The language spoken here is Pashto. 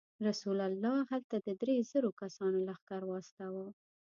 رسول الله هلته د درې زرو کسانو لښکر واستاوه.